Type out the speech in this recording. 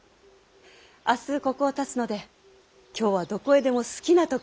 明日ここをたつので今日はどこへでも好きな所へ行ってまいれと。